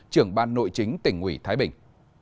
trưởng ban nội chính tỉnh ủy thái bình